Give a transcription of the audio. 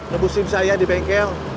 ngebusin saya di bengkel